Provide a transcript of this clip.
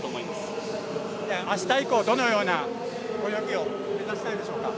明日以降どのような泳ぎを目指したいでしょうか？